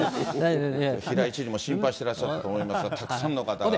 平井知事も心配してらっしゃいましたけど、たくさんの方が。